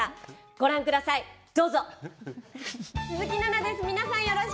ご覧ください、どうぞ。